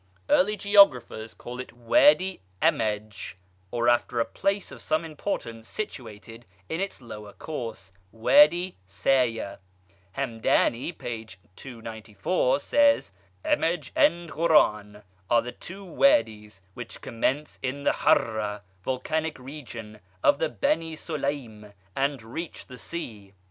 Early geographers call it Wady Amaj, or after a place of some importance situated in its lower course, Wady Saya. Hamdany, p. 294, says: Amaj and Ghoran are two Wadies which commence in the Harra (volcanic region) of the Beni Solaym, and reach the sea.